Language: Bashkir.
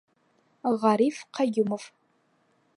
Ғариф ҠӘЙҮМОВ.